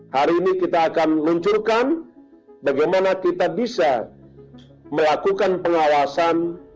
hari ini kita akan luncurkan bagaimana kita bisa melakukan pengawasan